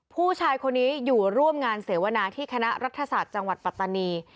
ผู้ชายคนนี้อยู่ร่วมงานเสวนาที่คณะรัฐศาสตร์จังหวัดปัตตานี